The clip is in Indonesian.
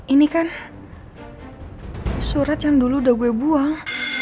ini kan surat yang dulu udah gue buang